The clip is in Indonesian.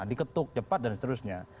diketuk cepat dan seterusnya